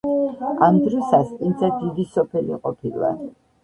ამ დროს ასპინძა დიდი სოფელი ყოფილა.